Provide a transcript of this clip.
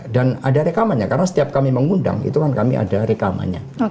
dan ada rekamannya karena setiap kami mengundang itu kan kami ada rekamannya